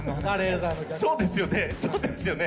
そうですよね